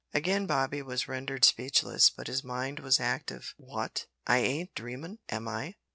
Again Bobby was rendered speechless, but his mind was active. "Wot! I ain't dreamin', am I?